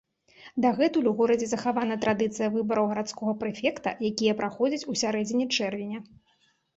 Дагэтуль у горадзе захавана традыцыя выбараў гарадскога прэфекта, якія праходзяць у сярэдзіне чэрвеня.